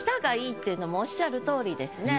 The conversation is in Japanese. っていうのもおっしゃるとおりですね。